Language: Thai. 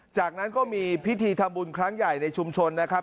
จากนั้นก็มีพิธีทำบุญครั้งใหญ่ในชุมชนนะครับ